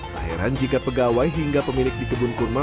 tak heran jika pegawai hingga pemilik di kebun kurma